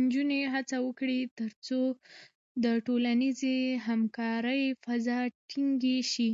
نجونې هڅه وکړي، ترڅو د ټولنیزې همکارۍ فضا ټینګې شي.